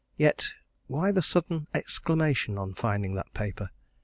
Yet why the sudden exclamation on finding that paper?